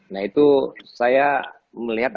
nah itu saya melihat